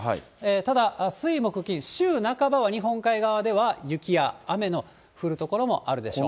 ただ、水、木、金、週半ばは、日本海側では雪や雨の降る所もあるでしょう。